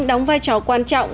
đóng vai trò quan trọng